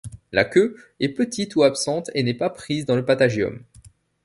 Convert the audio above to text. La queue, est petite ou absente et n'est pas prise dans le patagium.